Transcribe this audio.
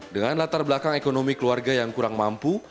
dengan latar belakang ekonomi keluarga yang kurang mampu